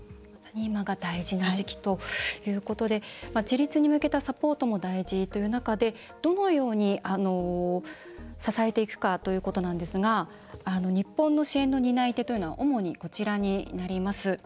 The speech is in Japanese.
今が大事な時期ということで自立に向けたサポートも大事な中で、どのように支えていくかということですが日本の支援の担い手というのは主にこちらになります。